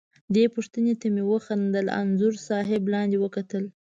دې پوښتنې ته مې وخندل، انځور صاحب لاندې وکتل.